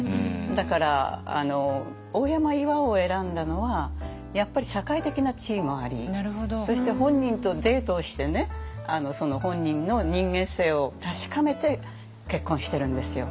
だから大山巌を選んだのはやっぱり社会的な地位もありそして本人とデートをしてねその本人の人間性を確かめて結婚してるんですよ。